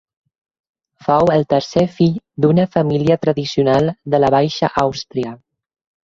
Fou el tercer fill d'una família tradicional de la Baixa Àustria.